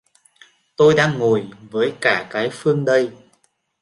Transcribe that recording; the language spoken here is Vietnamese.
Tôi đang ngồi với cả cái phương đây